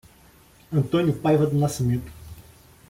Antônio Paiva do Nascimento